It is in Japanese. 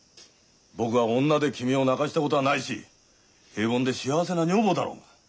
僕が女で君を泣かせたことはないし平凡で幸せな女房だろ。